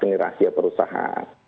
ini rahasia perusahaan